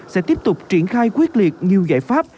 sẽ tiếp tục triển khai quyết liệt nhiều giải pháp